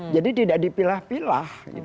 jadi tidak dipilah pilah